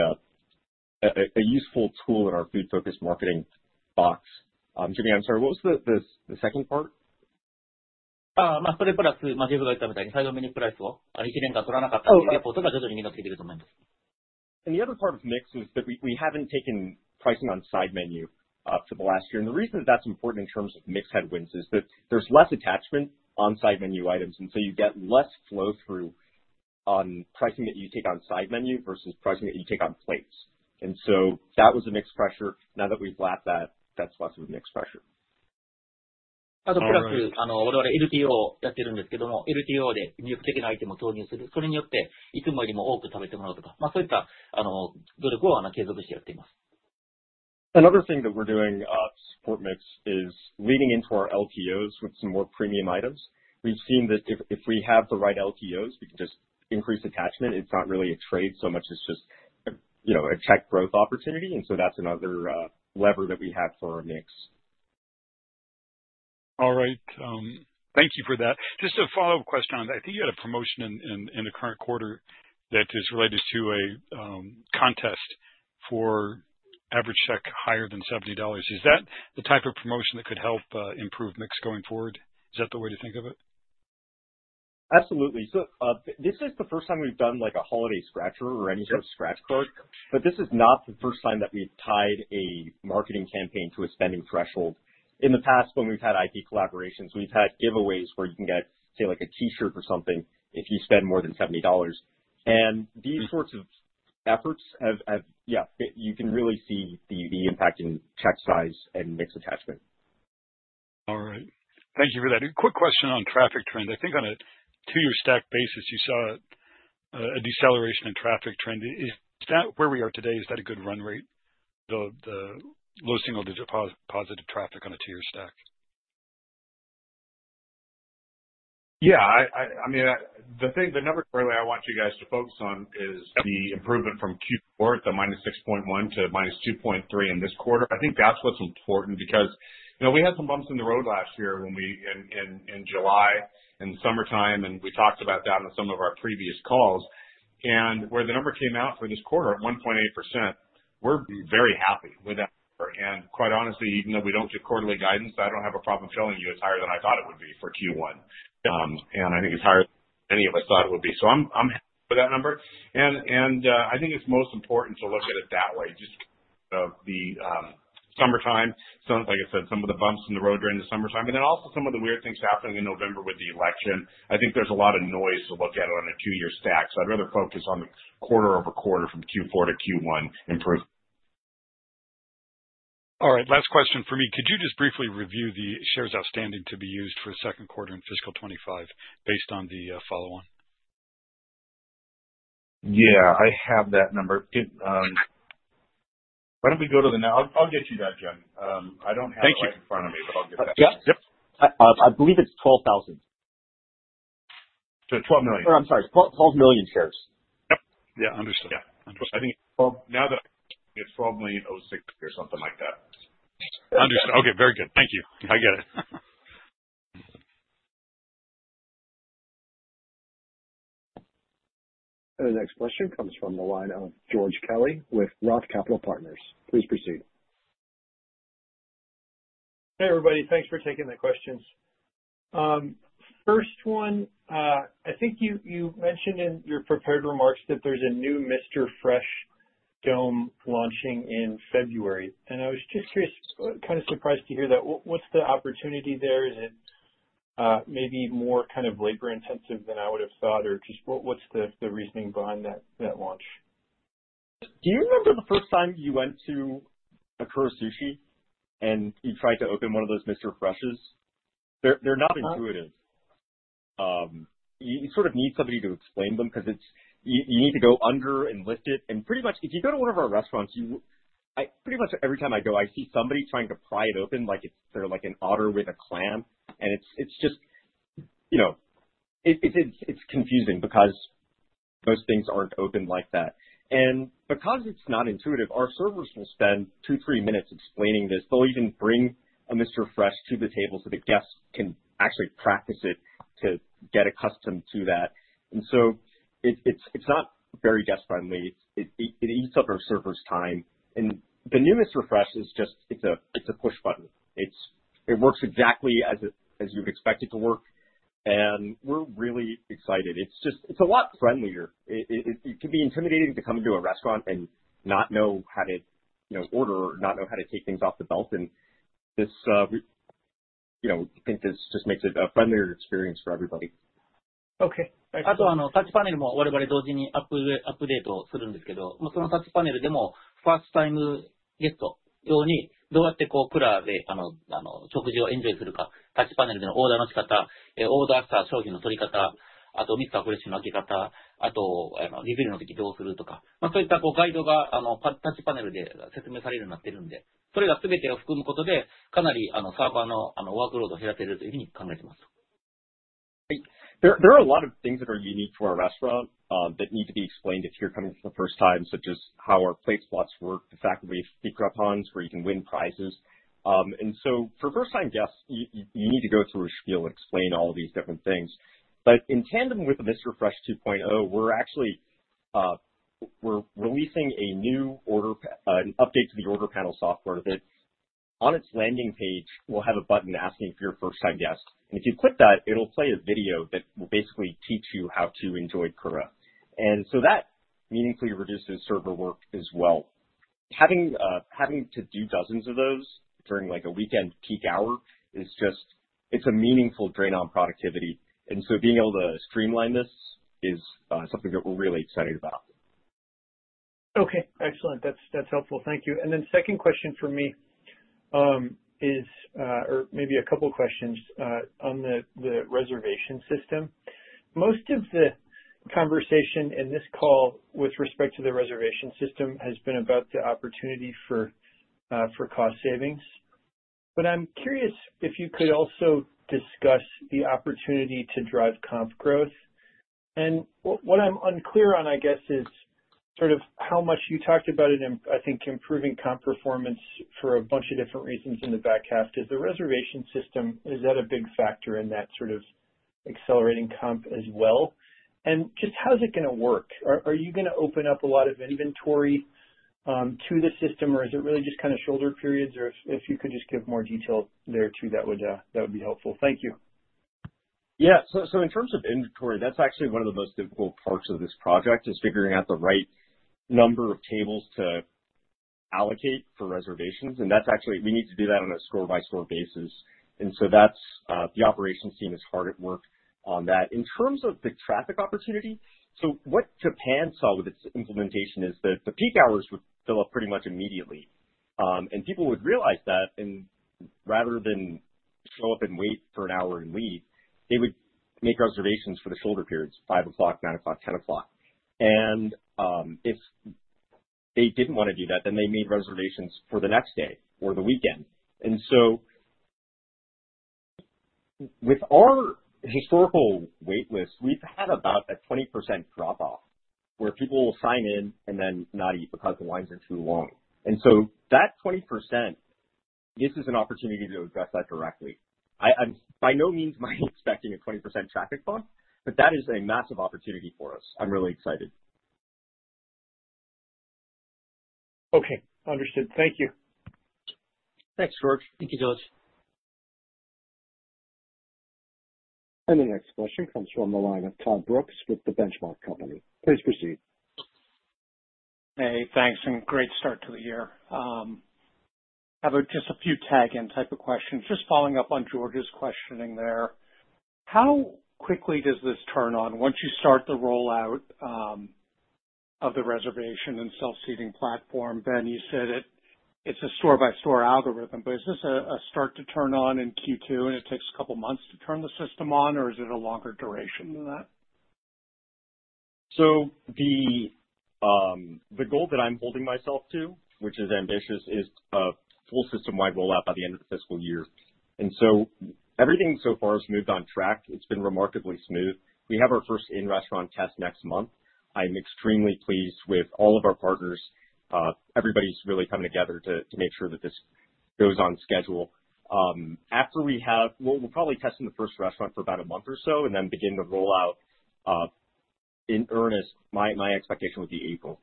a useful tool in our food-focused marketing box. Jimmy, I'm sorry, what was the second part? それプラスJeffが言ったみたいにサイドメニュープライスを1年間取らなかったというレポートが徐々にみんなついてくると思います。And the other part of mix is that we haven't taken pricing on side menu for the last year. And the reason that that's important in terms of mix headwinds is that there's less attachment on side menu items. And so you get less flow through on pricing that you take on side menu versus pricing that you take on plates. And so that was a mixed pressure. Now that we've lapped that, that's less of a mixed pressure. あとプラス、我々LTOをやってるんですけども、LTOで魅力的なアイテムを投入する。それによって、いつもよりも多く食べてもらうとか、そういった努力を継続してやっています。Another thing that we're doing to support mix is leading into our LTOs with some more premium items. We've seen that if we have the right LTOs, we can just increase attachment. It's not really a trade so much as just a check growth opportunity. And so that's another lever that we have for our mix. All right. Thank you for that. Just a follow-up question on that. I think you had a promotion in the current quarter that is related to a contest for average check higher than $70. Is that the type of promotion that could help improve mix going forward? Is that the way to think of it? Absolutely. So this is the first time we've done a Holiday Scratcher or any sort of scratch card. But this is not the first time that we've tied a marketing campaign to a spending threshold. In the past, when we've had IP collaborations, we've had giveaways where you can get, say, a T-shirt or something if you spend more than $70. And these sorts of efforts, you can really see the impact in check size and mix attachment. All right. Thank you for that. Quick question on traffic trend. I think on a two-year stack basis, you saw a deceleration in traffic trend. Where we are today, is that a good run rate, the low single digit positive traffic on a two-year stack? I mean, the number really I want you guys to focus on is the improvement from Q4, the -6.1% to -2.3% in this quarter. I think that's what's important because we had some bumps in the road last year in July and summertime, and we talked about that on some of our previous calls. And where the number came out for this quarter at 1.8%, we're very happy with that number. And quite honestly, even though we don't do quarterly guidance, I don't have a problem telling you it's higher than I thought it would be for Q1. And I think it's higher than any of us thought it would be. So I'm happy with that number. And I think it's most important to look at it that way. Just the summertime, like I said, some of the bumps in the road during the summertime, and then also some of the weird things happening in November with the election. I think there's a lot of noise to look at on a two-year stack. So I'd rather focus on the quarter over quarter from Q4 to Q1 improvement. All right. Last question for me. Could you just briefly review the shares outstanding to be used for the Q2 in FY 2025 based on the follow-on? I have that number. Why don't we go to the. I'll get you that, John. I don't have it in front of me, but I'll get that. Yep. I believe it's 12,000. So 12 million? I'm sorry. 12 million shares. Understood. I think it's 12. Now that I've got it, it's $12.06 million or something like that. Understood. Okay. Very good. Thank you. I get it. And the next question comes from the line of George Kelly with Roth Capital Partners. Please proceed. Hey, everybody. Thanks for taking the questions. First one, I think you mentioned in your prepared remarks that there's a new Mr. Fresh 2.0 launching in February. And I was just curious, kind of surprised to hear that. What's the opportunity there? Is it maybe more kind of labor-intensive than I would have thought, or just what's the reasoning behind that launch? Do you remember the first time you went to a Kura Sushi and you tried to open one of those Mr. Freshes? They're not intuitive. You sort of need somebody to explain them because you need to go under and lift it. And pretty much, if you go to one of our restaurants, pretty much every time I go, I see somebody trying to pry it open like they're an otter with a clam. And it's just confusing because most things aren't opened like that. And because it's not intuitive, our servers will spend two, three minutes explaining this. They'll even bring a Mr. Fresh to the table so the guests can actually practice it to get accustomed to that. And so it's not very guest-friendly. It eats up our server's time. And the new Mr. Fresh is just it's a push button. It works exactly as you'd expect it to work. And we're really excited. It's a lot friendlier. It can be intimidating to come into a restaurant and not know how to order or not know how to take things off the belt. And this I think just makes it a friendlier experience for everybody. Okay. Thanks. あとはタッチパネルも我々同時にアップデートするんですけど、そのタッチパネルでもファーストタイムゲスト用にどうやってクラブで食事をエンジョイするか、タッチパネルでのオーダーの仕方、オーダーした商品の取り方、あとミスターフレッシュの開け方、あとリフィルの時どうするとか、そういったガイドがタッチパネルで説明されるようになってるんで、それら全てを含むことでかなりサーバーのワークロードを減らせるというふうに考えてます. There are a lot of things that are unique to our restaurant that need to be explained if you're coming for the first time, such as how our plate slots work, the fact that we have Bikkura Pon where you can win prizes. And so for first-time guests, you need to go through a spiel and explain all of these different things. But in tandem with the Mr. Fresh 2.0, we're releasing an update to the order panel software that on its landing page will have a button asking for your first-time guest. And if you click that, it'll play a video that will basically teach you how to enjoy Kura. And so that meaningfully reduces server work as well. Having to do dozens of those during a weekend peak hour is just a meaningful drain on productivity. And so being able to streamline this is something that we're really excited about. Okay. Excellent. That's helpful. Thank you. And then second question for me is, or maybe a couple of questions on the reservation system. Most of the conversation in this call with respect to the reservation system has been about the opportunity for cost savings. But I'm curious if you could also discuss the opportunity to drive comp growth. And what I'm unclear on, I guess, is sort of how much you talked about it, and I think improving comp performance for a bunch of different reasons in the back half. Does the reservation system, is that a big factor in that sort of accelerating comp as well? And just how's it going to work? Are you going to open up a lot of inventory to the system, or is it really just kind of shoulder periods? Or if you could just give more detail there too, that would be helpful. Thank you. So in terms of inventory, that's actually one of the most difficult parts of this project, is figuring out the right number of tables to allocate for reservations. And we need to do that on a store-by-store basis. And so the operations team is hard at work on that. In terms of the traffic opportunity, so what Japan saw with its implementation is that the peak hours would fill up pretty much immediately. And people would realize that. And rather than show up and wait for an hour and leave, they would make reservations for the shoulder periods, 5:00 P.M., 9:00 P.M., 10:00 P.M. And if they didn't want to do that, then they made reservations for the next day or the weekend. And so with our historical waitlist, we've had about a 20% drop-off where people will sign in and then not eat because the lines are too long. And so that 20%, this is an opportunity to address that directly. By no means am I expecting a 20% traffic bump, but that is a massive opportunity for us. I'm really excited. Okay. Understood. Thank you. Thanks, George. Thank you, George. The next question comes from the line of Todd Brooks with The Benchmark Company. Please proceed. Hey, thanks. And great start to the year. Just a few tag-along type of questions. Just following up on George's questioning there. How quickly does this turn on once you start the rollout of the reservation and self-seating platform? Ben, you said it's a store-by-store algorithm, but is this a start to turn on in Q2, and it takes a couple of months to turn the system on, or is it a longer duration than that? So the goal that I'm holding myself to, which is ambitious, is a full system-wide rollout by the end of the FY. And so everything so far has moved on track. It's been remarkably smooth. We have our first in-restaurant test next month. I'm extremely pleased with all of our partners. Everybody's really coming together to make sure that this goes on schedule. After we have, we'll probably test in the first restaurant for about a month or so and then begin to roll out in earnest. My expectation would be April.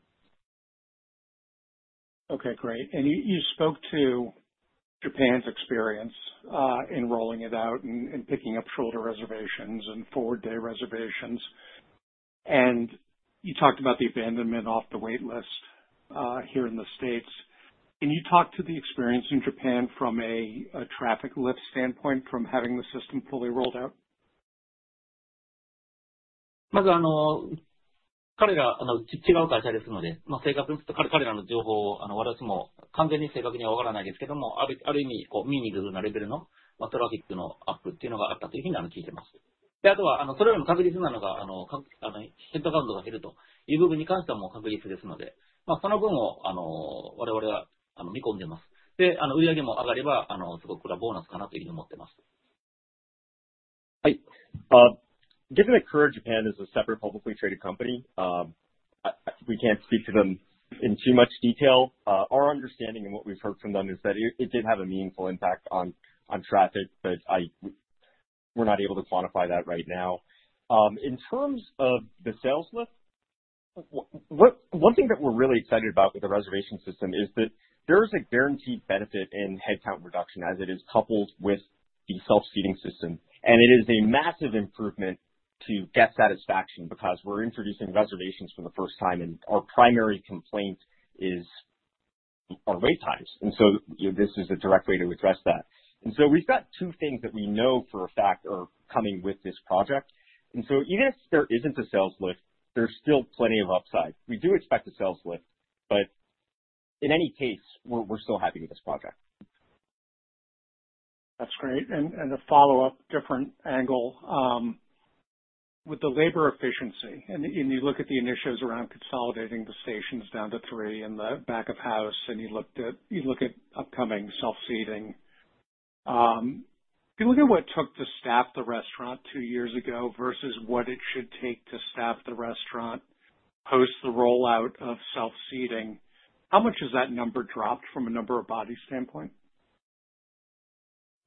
Okay. Great. And you spoke to Japan's experience in rolling it out and picking up shoulder reservations and forward-day reservations. And you talked about the abandonment off the waitlist here in the States. Can you talk to the experience in Japan from a traffic lift standpoint from having the system fully rolled out? Given that Kura Sushi Japan is a separate publicly traded company, we can't speak to them in too much detail. Our understanding and what we've heard from them is that it did have a meaningful impact on traffic, but we're not able to quantify that right now. In terms of the sales lift, one thing that we're really excited about with the reservation system is that there is a guaranteed benefit in headcount reduction as it is coupled with the self-seating system, and it is a massive improvement to guest satisfaction because we're introducing reservations for the first time, and our primary complaint is our wait times, and so this is a direct way to address that, and so we've got two things that we know for a fact are coming with this project, and so even if there isn't a sales lift, there's still plenty of upside. We do expect a sales lift, but in any case, we're still happy with this project. That's great. And the follow-up, different angle. With the labor efficiency, and you look at the initiatives around consolidating the stations down to three and the back of house, and you look at upcoming self-seating, if you look at what it took to staff the restaurant two years ago versus what it should take to staff the restaurant post the rollout of self-seating, how much has that number dropped from a number of bodies standpoint?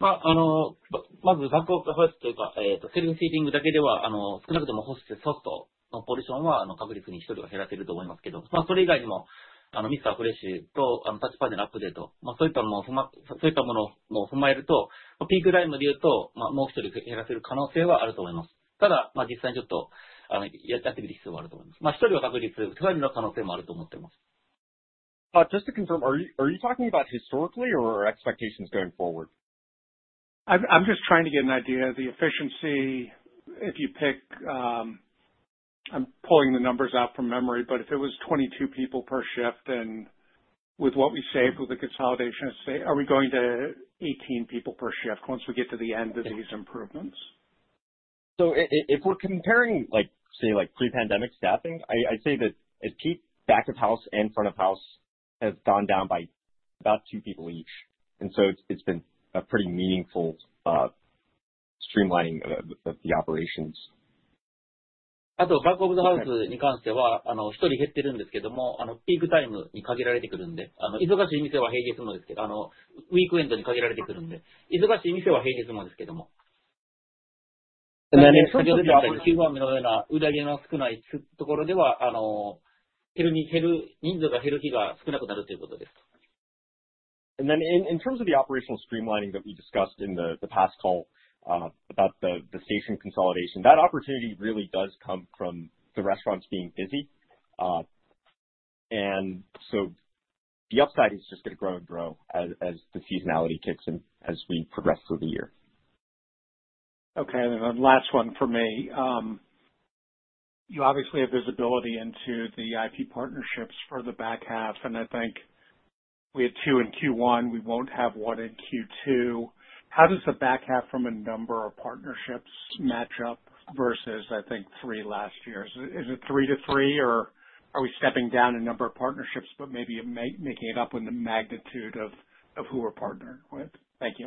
まずサポートホストというか、セルフ-seatingだけでは少なくともホストのポジションは確実に1人は減らせると思いますけど、それ以外にもミスターフレッシュとタッチパネルアップデート、そういったものを踏まえると、ピークタイムで言うともう1人減らせる可能性はあると思います。ただ、実際にちょっとやってみる必要はあると思います。1人は確実に手配の可能性もあると思ってます。Just to confirm, are you talking about historically or expectations going forward? I'm just trying to get an idea. The efficiency, if you pick I'm pulling the numbers out from memory, but if it was 22 people per shift, then with what we saved with the consolidation, are we going to 18 people per shift once we get to the end of these improvements? So if we're comparing, say, pre-pandemic staffing, I'd say that peak back of house and front of house have gone down by about two people each, and so it's been a pretty meaningful streamlining of the operations. あとバックオブザハウスに関しては1人減ってるんですけども、ピークタイムに限られてくるんで、忙しい店は平日もですけど、ウィークエンドに限られてくるんで、忙しい店は平日もですけども。In terms of. 先ほど出てきたQ1のような売り上げの少ないところでは、人数が減る日が少なくなるということです。And then in terms of the operational streamlining that we discussed in the past call about the station consolidation, that opportunity really does come from the restaurants being busy. And so the upside is just going to grow and grow as the seasonality kicks in as we progress through the year. Okay. And then last one for me. You obviously have visibility into the IP partnerships for the back half. And I think we had two in Q1. We won't have one in Q2. How does the back half from a number of partnerships match up versus, I think, three last years? Is it three to three, or are we stepping down in number of partnerships, but maybe making it up in the magnitude of who we're partnering with? Thank you.